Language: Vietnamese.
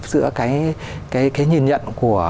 giữa cái nhìn nhận